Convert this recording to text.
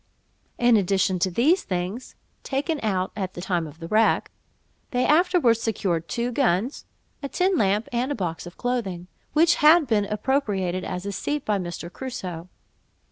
In addition to these things (taken out at the time of the wreck), they afterwards secured two guns, a tin lamp, and a box of clothing, which had been appropriated as a seat by Mr. Crusoe.